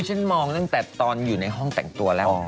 ฉันมองตอนอยู่ในห้องแต่งตัวแล้ว